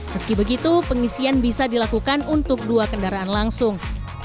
meski begitu pengisian bisa dilakukan untuk dua kendaraan langsung